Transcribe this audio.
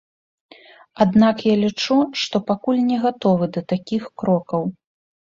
Аднак я лічу, што пакуль не гатовы да такіх крокаў.